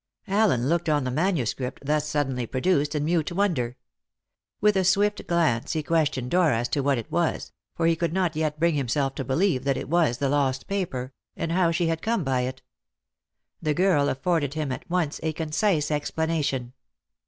Allen looked on the manuscript thus suddenly produced in mute wonder. With a swift glance he questioned Dora as to what it was for he could not yet bring himself to believe that it was the lost paper and how she had come by it. The girl afforded him at once a concise explanation.